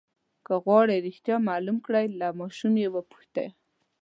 که غواړئ رښتیا معلوم کړئ له ماشوم یې وپوښته.